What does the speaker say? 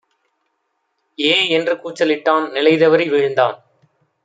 ஏ!என்று கூச்சலிட்டான்; நிலைதவறி வீழ்ந்தான்!